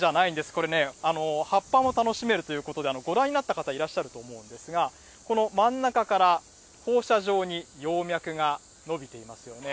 これね、葉っぱも楽しめるということで、ご覧になった方、いらっしゃると思うんですが、この真ん中から放射状に葉脈がのびていますよね。